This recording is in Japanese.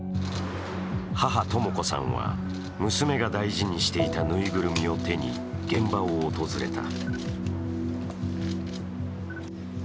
母、とも子さんは娘が大事にしていたぬいぐるみを手に、現場を訪れた。